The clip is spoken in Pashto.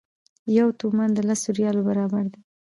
یو تومان د لسو ریالو برابر دی.